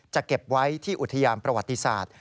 เก็บไว้ที่อุทยานประวัติศาสตร์